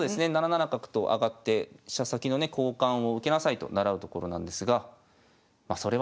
７七角と上がって飛車先のね交換を受けなさいと習うところなんですがそれは普通の指し方なんですよ。